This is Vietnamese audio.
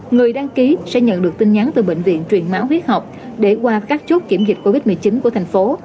người đăng ký sẽ nhận được tin nhắn từ bệnh viện truyền máu huyết học để qua các chốt kiểm dịch covid một mươi chín của thành phố